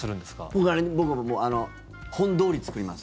僕はあれ本どおりに作ります。